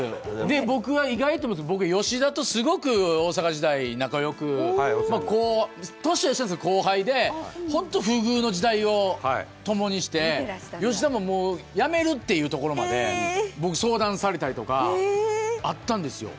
僕は意外と思うんですけれども、吉田とすごく、大阪時代、仲よく、年は一緒なんですけど、後輩で、本当不遇の時代を共にして、吉田も、もうやめるというところまで僕、相談されたりとか、あったんですよ。